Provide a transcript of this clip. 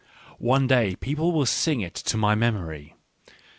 One day people wHTsuig it to my memory.